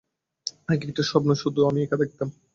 আগে এই স্বপ্নটা শুধু আমি একা দেখতাম।